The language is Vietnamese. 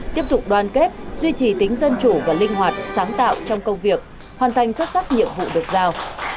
tiếp tục đoàn kết duy trì tính dân chủ và linh hoạt sáng tạo trong công việc hoàn thành xuất sắc nhiệm vụ được giao